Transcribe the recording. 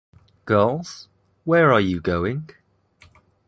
Girls, where are you going?